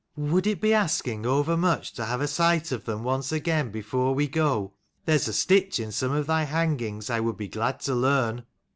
" Would it be asking over much to have a sight of them once again before we go ? There's a stitch in some of thy hangings I would be glad to learn."